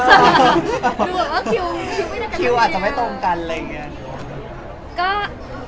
คิวอาจจะไม่ตรงกัน